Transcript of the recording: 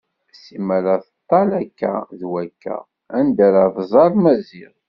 Sima teṭṭal akka d wakka anda ara tẓer Maziɣ.